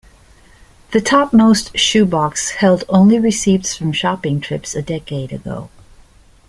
The topmost shoe box held only receipts from shopping trips a decade ago.